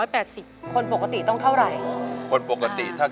เปลี่ยนเพลงเพลงเก่งของคุณและข้ามผิดได้๑คำ